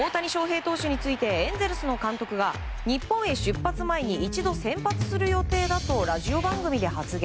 投手についてエンゼルスの監督が日本へ出発前に一度先発する予定だとラジオ番組で発言。